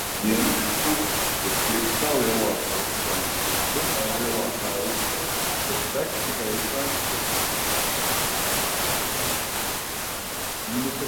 Dienvidbuga ir piektā lielākā Ukrainas upe un lielākā upe, kas tek tikai Ukrainas teritorijā.